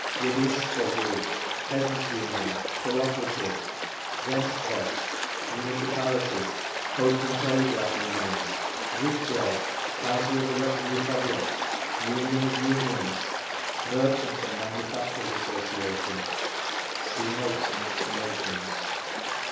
"Yedinstvo" group, Peasants' Union, Cooperatives, Zemstvos, Municipalities, Post and Telegraph Unions, Vikzhel, Council of the Russian Republic, Union of Unions, Merchants' and Manufacturers' Association…. See Notes and Explanations.